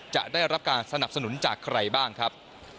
จะได้รับการสนับสนุนจากใครบ้างครับ